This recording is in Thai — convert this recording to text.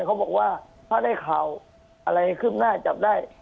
เขาบอกว่าถ้าได้ข่าวอะไรขึ้นหน้าจับได้